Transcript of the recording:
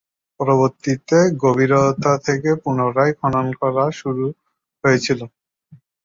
পরবর্তিতে গভীরতা থেকে পুনরায় খনন শুরু করা হয়েছিল।